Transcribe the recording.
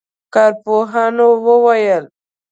کارپوهانو وویل